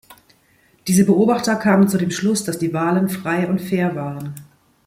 Diese Beobachter kamen zu dem Schluss, dass die Wahlen frei und fair waren.